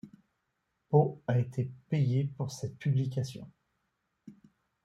Poe a été payé pour cette publication.